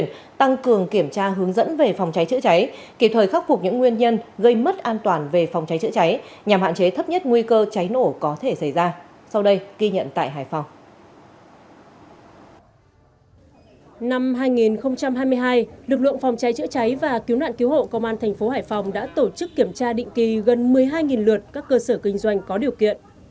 năm hai nghìn hai mươi hai lực lượng phòng cháy chữa cháy và cứu nạn cứu hộ công an thành phố hải phòng đã tổ chức kiểm tra định kỳ gần một mươi hai lượt các cơ sở kinh doanh có điều kiện